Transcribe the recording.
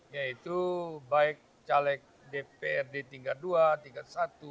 yaitu baik caleg dprd tingkat dua tingkat satu